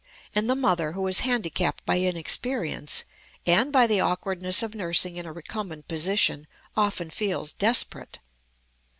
And the mother, who is handicapped by inexperience and by the awkwardness of nursing in a recumbent position, often feels desperate.